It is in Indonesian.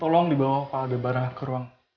tolong dibawa pak gebarah ke ruang